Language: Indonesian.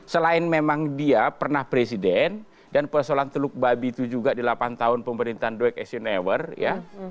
selain memang dia pernah presiden dan persoalan teluk babi itu juga di delapan tahun pemerintahan dueq asian ewer ya